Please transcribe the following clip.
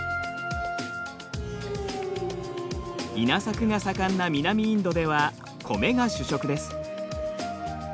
稲作が盛んな南インドではコメが主食です。